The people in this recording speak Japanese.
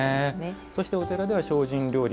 そして、お寺では精進料理